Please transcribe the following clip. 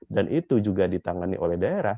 itu juga ditangani oleh daerah